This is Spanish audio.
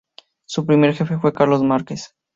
Su primer jefe fue Carlos Márquez.